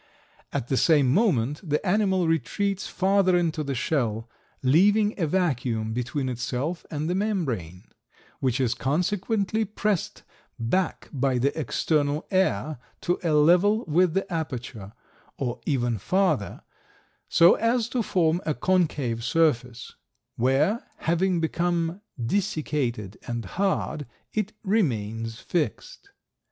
At the same moment the animal retreats farther into the shell, leaving a vacuum between itself and the membrane, which is consequently pressed back by the external air to a level with the aperture, or even farther, so as to form a concave surface, where, having become desiccated and hard, it remains fixed.